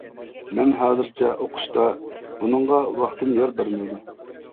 مەن ھازىرچە ئوقۇشتا، بۇنىڭغا ۋاقتىم يار بەرمەيدۇ.